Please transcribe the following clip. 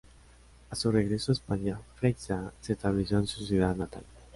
A su regreso a España, Freixa se estableció en su ciudad natal.